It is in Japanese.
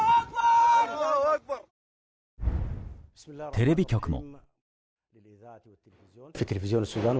テレビ局も。